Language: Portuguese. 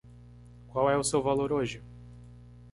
Qual é o seu valor hoje?